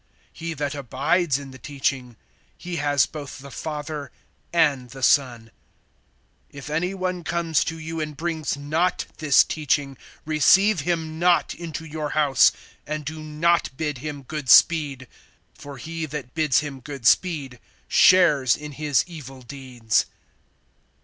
He that abides in the teaching, he has both the Father and the Son. (10)If any one comes to you, and brings not this teaching, receive him not into your house, and do not bid him good speed; (11)for he that bids him good speed shares in his evil deeds.